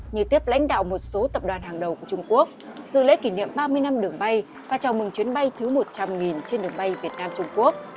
như tiếp lãnh đạo một số tập đoàn hàng đầu của trung quốc dự lễ kỷ niệm ba mươi năm đường bay và chào mừng chuyến bay thứ một trăm linh trên đường bay việt nam trung quốc